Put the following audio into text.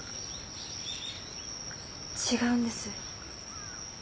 違うんです。